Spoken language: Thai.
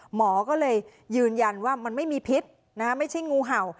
หมอก็เลยยืนยันว่ามันไม่มีพิษไม่ใช่งูเห่า